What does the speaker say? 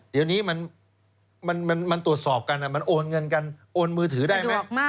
เดี๋ยวนี้มันตรวจสอบกันมันโอนเงินกันโอนมือถือได้ไหม